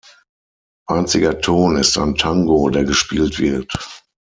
Einziger Ton ist ein Tango, der gespielt wird.